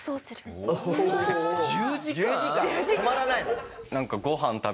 止まらないの？